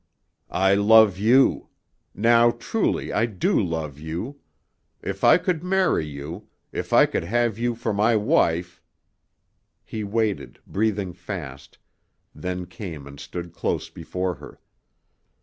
"I love you. Now truly I do love you. If I could marry you if I could have you for my wife " He waited, breathing fast, then came and stood close before her.